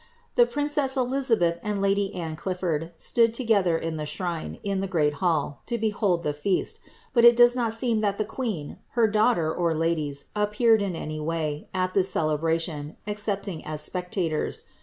The princess Elizabeth and lady Anne Clifford stood together in the shrine, in the great hall, to behold the feast, but it does not seem that the queen, her daughter, or ladies, appeared in any way, at this celebration, excepting as spectators.